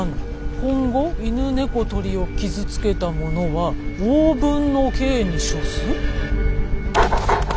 今後犬猫鶏を傷つけたものは応分の刑に処す？